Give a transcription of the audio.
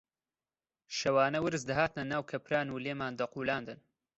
شەوانە ورچ دەهاتنە ناو کەپران و لێمان دەقوولاندن